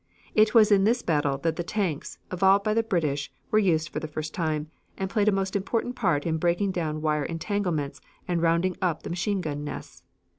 It was in this battle that the tanks, evolved by the British, were used for the first time, and played a most important part in breaking down wire entanglements and rounding up the machine gun nests.